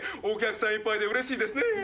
お客さんいっぱいで嬉しいですね